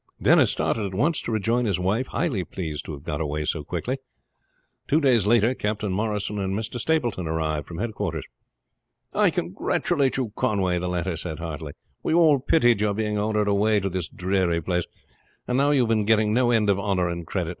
Denis started at once to rejoin his wife, highly pleased to have got away so quickly. Two days later Captain Morrison and Mr. Stapleton arrived from headquarters. "I congratulate you, Conway," the latter said heartily. "We all pitied your being ordered away to this dreary place; and now you have been getting no end of honor and credit.